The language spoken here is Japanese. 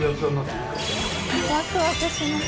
ワクワクします。